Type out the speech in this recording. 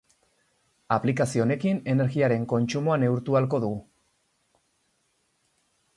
Aplikazio honekin, energiaren kontsumoa neurtu ahalko dugu.